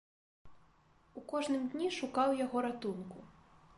У кожным дні шукаў яго ратунку.